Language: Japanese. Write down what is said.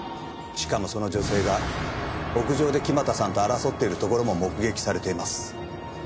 しかもその女性が屋上で木俣さんと争っているところも目撃されています。